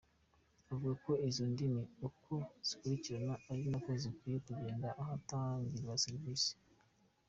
Avuga ko izo ndimi uko zikurikirana ari nako bikwiye kugenda ahatangirwa service.